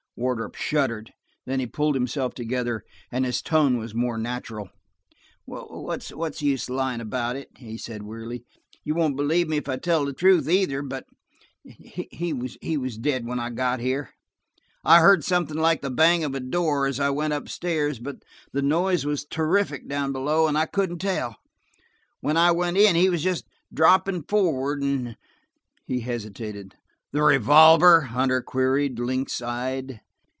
Wardrop shuddered; then he pulled himself together, and his tone was more natural. "What's the use of lying about it?" he said wearily. "You won't believe me if I tell the truth, either, but–he was dead when I got here. I heard something like the bang of a door as I went upstairs, but the noise was terrific down below, and I couldn't tell. When I went in, he was just dropping forward, and–" he hesitated. "The revolver?" Hunter queried, lynx eyed.